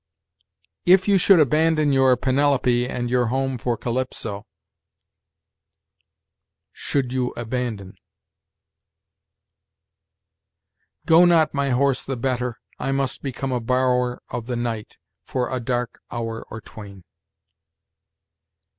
"'If you should abandon your Penelope and your home for Calypso, ': 'should you abandon .' "'Go not my horse the better, I must become a borrower of the night For a dark hour or twain.'